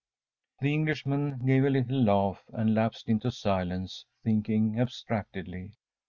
‚ÄĚ The Englishman gave a little laugh, and lapsed into silence thinking abstractedly.